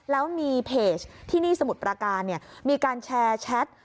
แล้วมีเพจที่นี่สมุทรประการมีการแชร์แชท